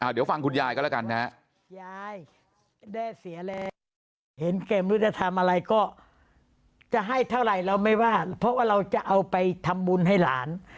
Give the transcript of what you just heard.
เดี๋ยวฟังคุณยายกันแล้วกันนะฮะ